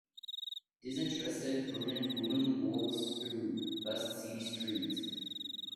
Disinterested brunette woman walks through bust city street